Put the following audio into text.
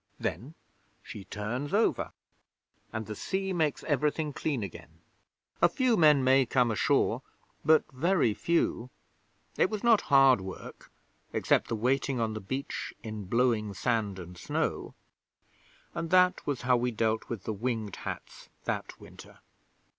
Then she turns over, and the sea makes everything clean again. A few men may come ashore, but very few. ... It was not hard work, except the waiting on the beach in blowing sand and snow. And that was how we dealt with the Winged Hats that winter.